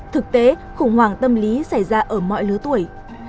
thực tế khủng hoảng tâm lý xảy ra ở mọi lứa tuổi